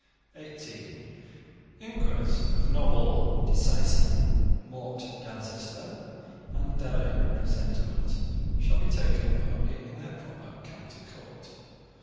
(18) Inquests of novel disseisin, mort d'ancestor, and darrein presentment shall be taken only in their proper county court.